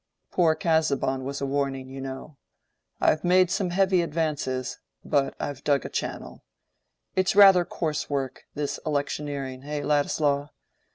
Poor Casaubon was a warning, you know. I've made some heavy advances, but I've dug a channel. It's rather coarse work—this electioneering, eh, Ladislaw?